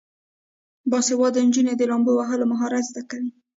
باسواده نجونې د لامبو وهلو مهارت زده کوي.